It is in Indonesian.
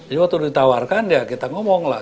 jadi waktu ditawarkan ya kita ngomong lah